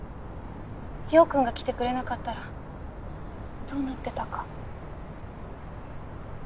陽君が来てくれなかったらどうなってたか。